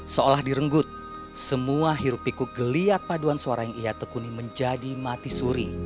seolah direnggut semua hirup pikuk geliat paduan suara yang ia tekuni menjadi mati suri